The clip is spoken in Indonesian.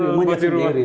ngambil buat di rumah